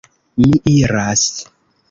Mi iras!